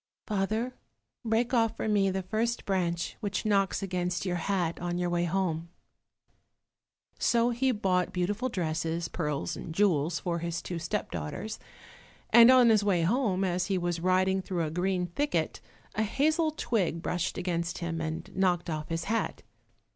"Father, break off for me the first branch which knocks against your hat on your way home." So he bought beautiful dresses, pearls and jewels for his two step daughters, and on his way home, as he was riding through a green thicket, a hazel twig brushed against him and knocked off his hat.